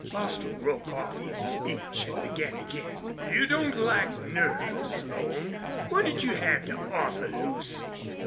Bostil broke off his speech and began again. "You don't lack nerve, Slone. What'd you have to offer Lucy?"